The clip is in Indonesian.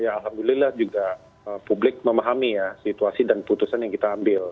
alhamdulillah juga publik memahami ya situasi dan putusan yang kita ambil